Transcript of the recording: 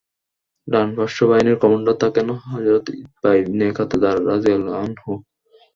ডান পার্শ্ব বাহিনীর কমান্ডার থাকেন হযরত উতবা ইবনে কাতাদা রাযিয়াল্লাহু আনহু।